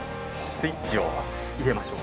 スイッチを入れましょう。